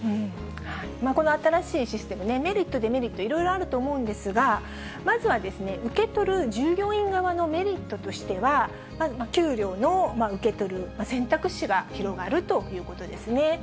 この新しいシステム、メリット、デメリット、いろいろあると思うんですが、まずは受け取る従業員側のメリットとしては、給料の受け取る選択肢が広がるということですね。